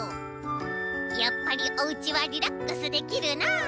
「やっぱりおうちはリラックスできるなあ」。